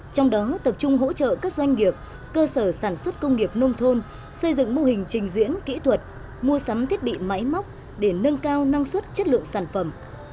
trong đó tập trung hỗ trợ các doanh nghiệp cơ sở sản xuất công nghiệp nông thôn xây dựng mô hình trình diễn kỹ thuật mua sắm thiết bị máy móc để nâng cao năng suất chất lượng sản phẩm